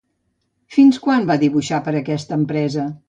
Fins quan va dibuixar per a aquesta empresa?